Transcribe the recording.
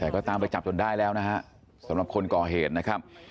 แต่ก็ตามไปจับจนได้แล้วนะฮะสำหรับคนก่อเหตุนะครับ